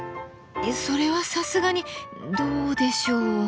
それはさすがにどうでしょう。